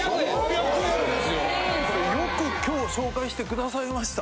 よく今日紹介してくださいました。